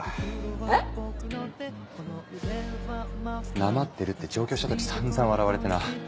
えっ⁉なまってるって上京した時散々笑われてな。